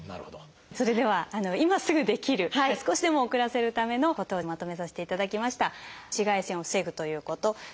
それでは今すぐできる少しでも遅らせるためのことをまとめさせていただきました。